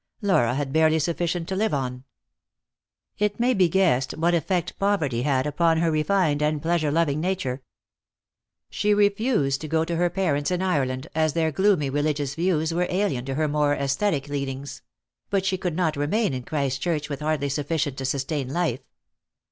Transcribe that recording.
Laura had barely sufficient to live on. It may be guessed what effect poverty had upon her refined and pleasure loving nature. She refused to go to her parents in Ireland, as their gloomy religious views were alien to her more æsthetic leanings; yet she could not remain in Christchurch with hardly sufficient to sustain life.